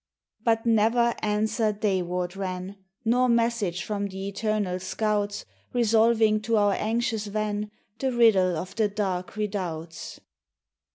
But never answer dayward ran, Nor message from the eternal scouts, Resolving to our anxious van The riddle of the dark redoubts.